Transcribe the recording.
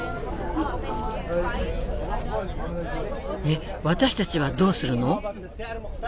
えっ私たちはどうするの？